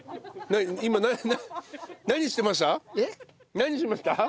何しました？